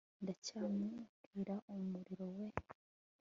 ndacyambwira umuriro we